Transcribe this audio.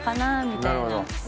みたいな。